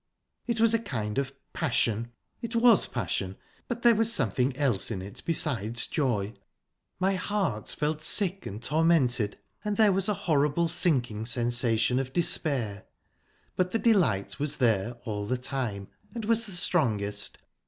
It was a kind of passion... It was passion. But there was something else in it besides joy my heart felt sick and tormented, and there was a horrible sinking sensation of despair. But the delight was there all the time, and was the strongest...